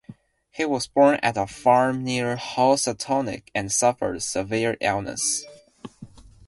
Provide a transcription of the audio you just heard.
He was born at a farm near Housatonic, and suffered severe illness.